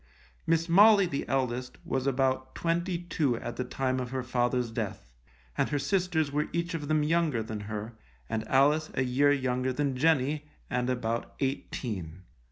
Miss Molly, the eldest, was about twenty two at the time of her father's death, and her sisters were each of them younger than her, and Alice a year younger than Jenny, and about eighteen.